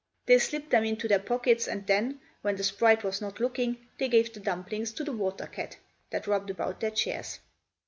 They slipped them into their pockets, and then, when the sprite was not looking they gave the dumplings to the water cat that rubbed about their chairs.